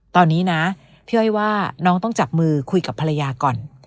ตอนนี้นะพี่อ้อยว่าน้องต้องจับมือคุยกับภรรยาก่อน